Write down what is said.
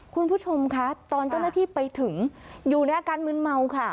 คุณผู้ชมคะตอนเจ้าหน้าที่ไปถึงอยู่ในอาการมืนเมาค่ะ